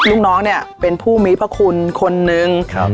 ลูกน้องเนี่ยเป็นผู้มีพระคุณคนนึง